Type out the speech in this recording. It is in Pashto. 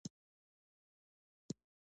د علامه رشاد لیکنی هنر مهم دی ځکه چې مؤرخ دی.